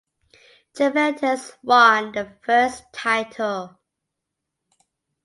Juventus won their first title.